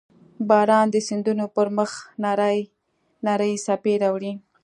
• باران د سیندونو پر مخ نرۍ څپې راوړي.